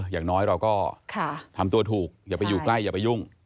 อย่างน้อยเราก็ทำตัวถูกอย่าไปอยู่ใกล้อย่าไปยุ่ง